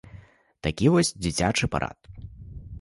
Такі вось дзіцячы парад.